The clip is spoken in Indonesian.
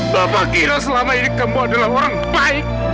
bapak kira selama ini kamu adalah orang baik